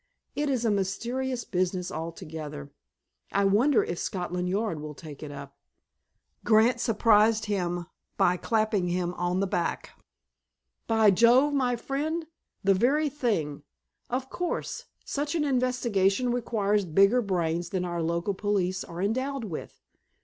It is a mysterious business altogether. I wonder if Scotland Yard will take it up." Grant surprised him by clapping him on the back. "By Jove, my friend, the very thing! Of course, such an investigation requires bigger brains than our local police are endowed with.